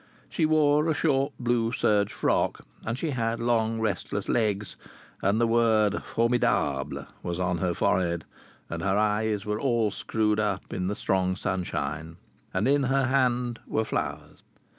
She wore a short blue serge frock, and she had long restless legs, and the word Formidable was on her forehead, and her eyes were all screwed up in the strong sunshine. And in her hand were flowers.